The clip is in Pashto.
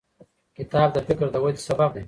کتاب د فکر د ودې سبب دی.